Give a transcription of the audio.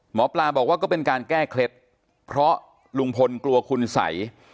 หมอปลาบอกว่าก็เป็นการแก้เคล็ดเพราะลุงพลกลัวคุณสัย